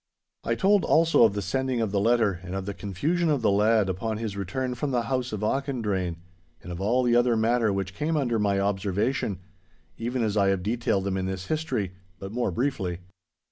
I told also of the sending of the letter and of the confusion of the lad upon his return from the house of Auchendrayne, and of all the other matter which came under my observation, even as I have detailed them in this history, but more briefly.